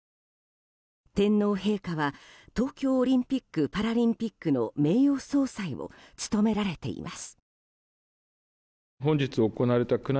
天皇陛下は東京オリンピック・パラリンピックの名誉総裁を務められています。